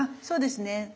そうですね。